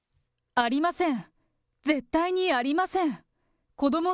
ありません！